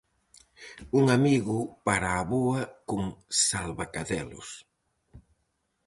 Un amigo para a avoa con Salvacadelos.